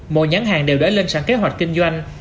mọi nhắn hàng đều đã lên sẵn kế hoạch kinh doanh